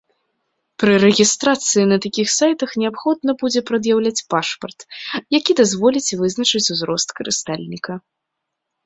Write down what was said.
Пры рэгістрацыі на такіх сайтах неабходна будзе прад'яўляць пашпарт, які дазволіць вызначыць узрост карыстальніка.